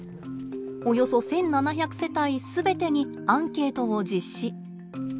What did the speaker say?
およそ１，７００世帯全てにアンケートを実施。